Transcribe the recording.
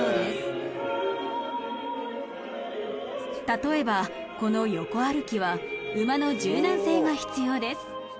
例えばこの横歩きは馬の柔軟性が必要です。